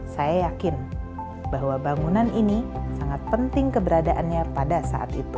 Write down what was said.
saya yakin bahwa bangunan ini sangat penting keberadaannya pada saat itu